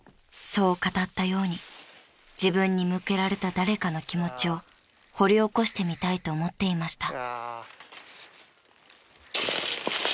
そう語ったように自分に向けられた誰かの気持ちを掘り起こしてみたいと思っていました］